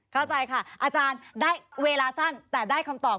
เข้าใจค่ะอาจารย์ได้เวลาสั้นแต่ได้คำตอบ